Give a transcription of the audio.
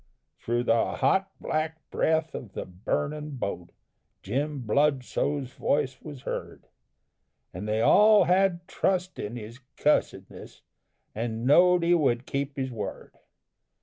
Thro' the hot, black breath of the burnin' boat Jim Bludso's voice was heard, And they all had trust in his cussedness, And know'd he would keep his word.